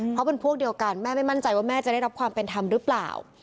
เพราะเป็นพวกเดียวกันแม่ไม่มั่นใจว่าแม่จะได้รับความเป็นธรรมหรือเปล่า